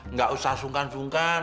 nggak usah sungkan sungkan